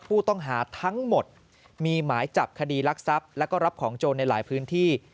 ผู้ต้องหาทั้งหมดมีหมายจับคดีรักทรัพย์แล้วก็รับของโจรในหลายพื้นที่